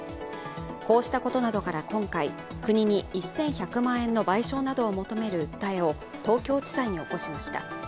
こうしたことなどから今回、国に１１００万円の賠償などを求める訴えを東京地裁に起こしました。